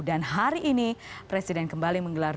dan hari ini presiden kembali menggelar